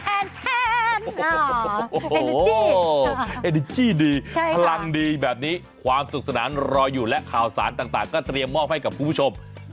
โอ้โหเอดิจี้ดีพลังดีแบบนี้ความสุขสนานรออยู่และข่าวสารต่างก็เตรียมมอบให้กับคุณผู้ชม